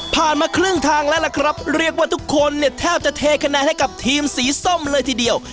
มาครึ่งทางแล้วล่ะครับเรียกว่าทุกคนเนี่ยแทบจะเทคะแนนให้กับทีมสีส้มเลยทีเดียว